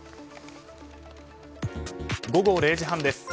午後０時半です。